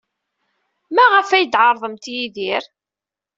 Maɣef ay d-tɛerḍemt Yidir?